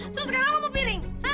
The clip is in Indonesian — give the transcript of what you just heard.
terus sekarang lo mau piring